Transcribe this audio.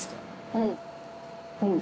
うんうん。